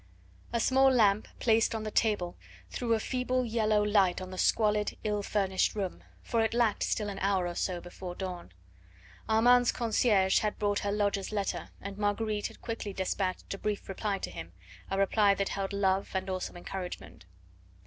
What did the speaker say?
A small lamp placed on the table threw a feeble yellow light on the squalid, ill furnished room, for it lacked still an hour or so before dawn. Armand's concierge had brought her lodger's letter, and Marguerite had quickly despatched a brief reply to him, a reply that held love and also encouragement.